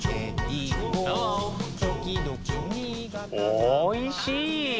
おいしい。